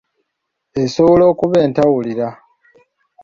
Esobola okuba entawulira.